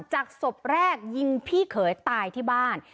จากศพแรกยิงพี่เขยตายที่บ้าน